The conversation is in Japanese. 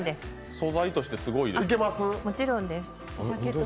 素材としてすごいですが。